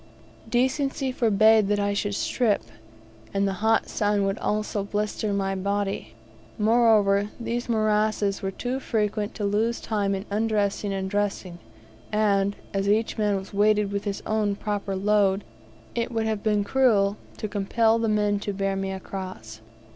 Decency forbade that I should strip; and the hot sun would also blister my body. Moreover, these morasses were too frequent to lose time in undressing and dressing, and, as each man was weighted with his own proper load, it would have been cruel to compel the men to bear me across.